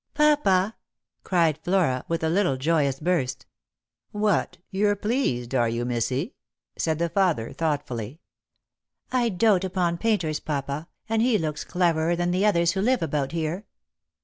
" Papa! " cried Flora, with a little joyous burst. "What, you're pleased, are you, missy?" said the father, thoughtfully. " I doat upon painters, papa, and he looks cleverer than the others who live about here."